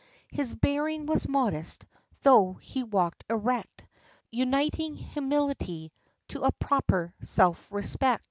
His bearing was modest, though he walked erect, Uniting humility to a proper self respect.